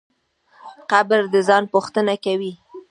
قبر د ځان پوښتنه کوي.